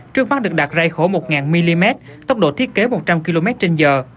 trước mắt được đặt ra khổ một mm tốc độ thiết kế một trăm linh km trên giờ